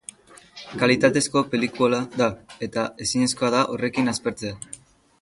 Kalitatezko pelikula da, eta ezinezkoa da horrekin aspertzea.